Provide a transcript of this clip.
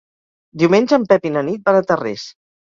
Diumenge en Pep i na Nit van a Tarrés.